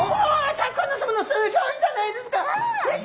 シャーク香音さまのすギョいじゃないですか！